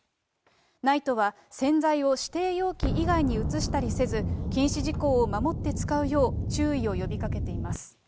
ＮＩＴＥは洗剤を指定容器以外に移したりせず、禁止事項を守って使うよう注意を呼びかけています。